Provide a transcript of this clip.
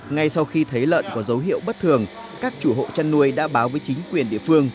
ngay sau khi thấy lợn có dấu hiệu bất thường các chủ hộ chăn nuôi đã báo với chính quyền địa phương